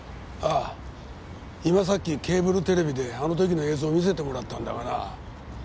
ああ今さっきケーブルテレビであの時の映像を見せてもらったんだがな。